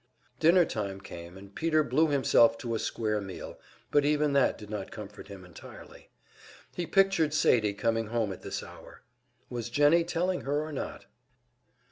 Dinner time came, and Peter blew himself to a square meal, but even that did not comfort him entirely. He pictured Sadie coming home at this hour. Was Jennie telling her or not?